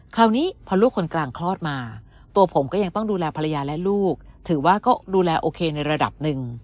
คราวนี้พอลูกคนกลางคลอดมาตัวผมก็ยังต้องดูแลภรรยาและลูกถือว่าก็ดูแลโอเคในระดับหนึ่ง